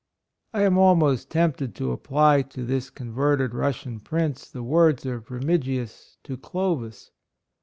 I am almost tempted to apply to this converted Russian Prince, the words of Remigius to Clovis.